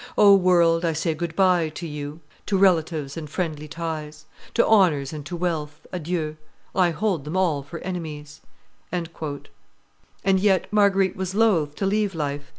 O world, I say good by to you; To relatives and friendly ties, To honors and to wealth, adieu; I hold them all for enemies." And yet Marguerite was loath to leave life.